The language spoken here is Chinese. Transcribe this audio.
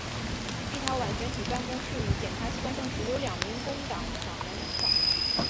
立陶宛选举办公室与检察机关证实有两名工党党员买票。